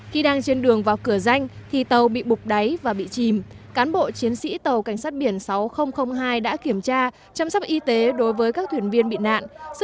khi đang trên đường vào cửa danh thì tàu bị bục đáy và bị chìm cán bộ chiến sĩ tàu cảnh sát biển sáu nghìn hai đã kiểm tra chăm sóc y tế đối với các thuyền viên bị nạn